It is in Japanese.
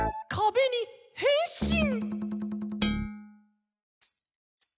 「『いぬ』にへんしん」